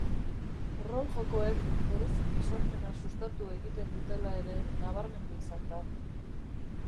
Rol-jokoek bereziki sormena sustatu egiten dutela ere nabarmendu izan da.